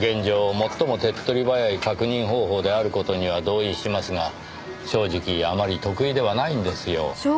最も手っ取り早い確認方法である事には同意しますが正直あまり得意ではないんですよ。